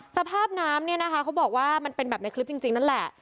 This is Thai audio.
สภาพน้ำเนี่ยนะคะเขาบอกว่ามันเป็นแบบในคลิปจริงนั่นแหละ